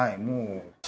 もう。